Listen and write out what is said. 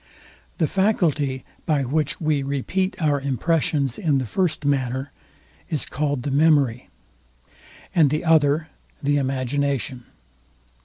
The faculty, by which we repeat our impressions in the first manner, is called the MEMORY, and the other the IMAGINATION.